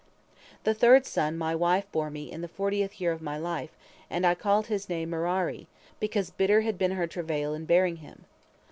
The third son my wife bore me in the fortieth year of my life, and I called his name Merari, because bitter had been her travail in bearing him.